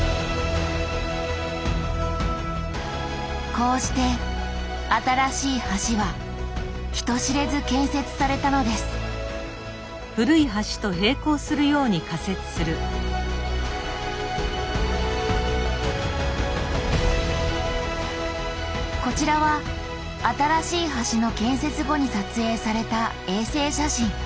こうして新しい橋は人知れず建設されたのですこちらは新しい橋の建設後に撮影された衛星写真。